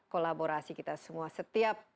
kolaborasi kita semua setiap